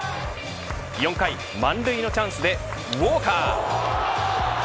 ４回、満塁のチャンスでウォーカー。